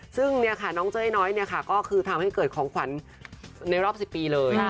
ซึ่งน้องเจ้าน้อยก็ทำให้เกิดของขวัญในรอบ๑๐ปีเลย